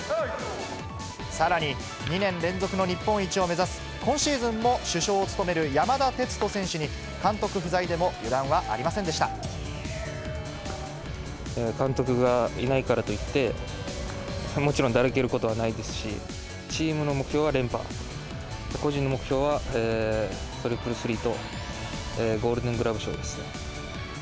さらに２年連続の日本一を目指す、今シーズンも主将を務める山田哲人選手に監督不在でも油断はあり監督がいないからといって、もちろんだらけることはないですし、チームの目標は連覇、個人の目標はトリプルスリーとゴールデングラブ賞ですね。